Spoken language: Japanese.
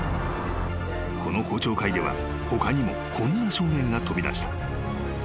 ［この公聴会では他にもこんな証言が飛び出した］